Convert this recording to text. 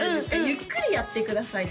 「ゆっくりやってください」